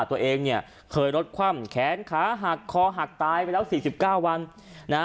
ตัวเองเนี่ยเคยรถคว่ำแขนขาหักคอหักตายไปแล้ว๔๙วันนะฮะ